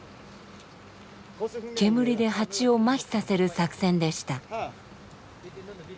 煙で蜂をマヒさせる作戦でした。